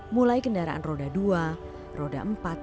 mulai kendaraan roda dua roda empat